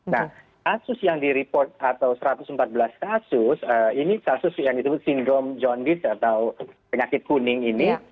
nah kasus yang di report atau satu ratus empat belas kasus ini kasus yang disebut sindrom john didge atau penyakit kuning ini